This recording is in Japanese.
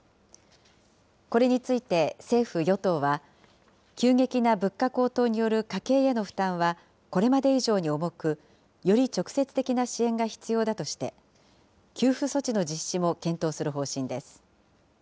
これについて、政府・与党は、急激な物価高騰による家計への負担はこれまで以上に重く、より直接的な支援が必要だとして、給付措置の実施も検討する方針です。